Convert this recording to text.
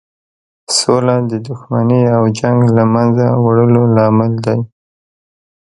سوله د دښمنۍ او جنګ له مینځه وړلو لامل دی.